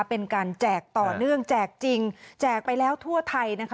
เป็นการแจกต่อเนื่องแจกจริงแจกไปแล้วทั่วไทยนะคะ